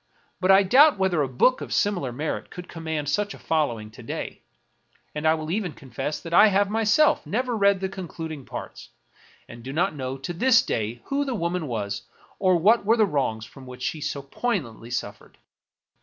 But I doubt whether a book of similar merit could command such a following to day; and I will even confess that I have myself never read the concluding parts, and do not know to this day who the woman was or what were the wrongs from which she so poignantly suffered.